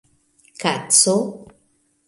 Kaco.